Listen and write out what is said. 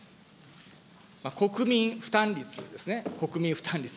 国民負担率ですね、国民負担率。